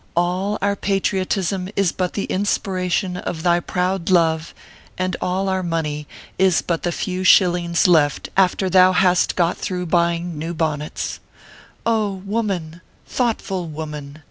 All our patriotism is but the inspi ration of thy proud love, and all our money is but the few shillings left after thou hast got through buying new bonnets. Oh ! woman thoughtful woman